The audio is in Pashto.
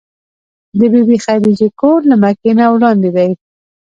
د بي بي خدېجې کور له مکې نه وړاندې دی.